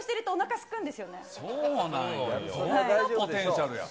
すごいポテンシャルや。